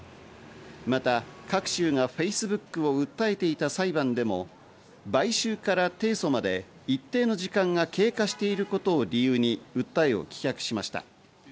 また、各州がＦａｃｅｂｏｏｋを訴えていた裁判でも、買収から提訴まで一定の時間が経過していることを理由に訴えを棄却しました。